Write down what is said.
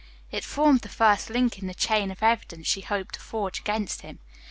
It formed the first link in the chain of evidence she hoped to forge against him.